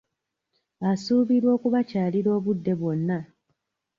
Asuubirwa okubakyalira obudde bwonna.